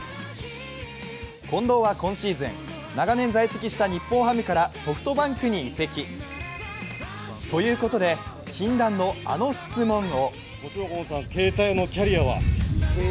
近藤は今シーズン、長年在籍した日本ハムからソフトバンクに移籍。ということで、禁断のあの質問を。